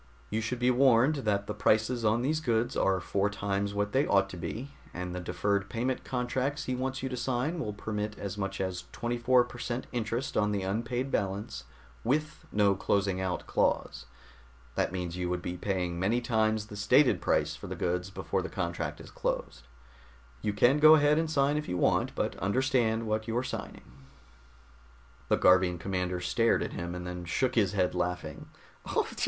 "You should be warned that the prices on these goods are four times what they ought to be, and the deferred payment contracts he wants you to sign will permit as much as 24 per cent interest on the unpaid balance, with no closing out clause. That means you would be paying many times the stated price for the goods before the contract is closed. You can go ahead and sign if you want but understand what you're signing." The Garvian commander stared at him, and then shook his head, laughing.